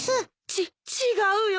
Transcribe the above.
ち違うよ。